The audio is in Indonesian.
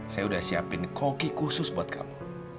saya udah siapin koki khusus buat kamu